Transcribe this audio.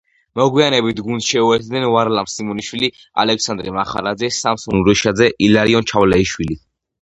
მოგვიანებით გუნდს შეუერთდნენ ვარლამ სიმონიშვილი, ალექსანდრე მახარაძე, სამსონ ურუშაძე, ილარიონ ჩავლეიშვილი.